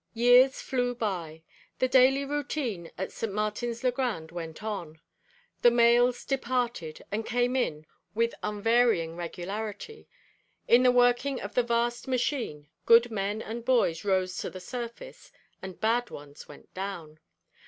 Years flew by. The daily routine at St. Martin's le Grand went on; the mails departed and came in with unvarying regularity; in the working of the vast machine good men and boys rose to the surface, and bad ones went down.